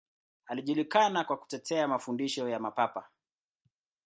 Alijulikana kwa kutetea mafundisho ya Mapapa.